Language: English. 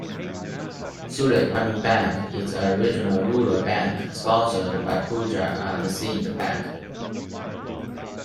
Sutlej Gramin Bank is a Regional Rural Bank sponsored by Punjab and Sind Bank.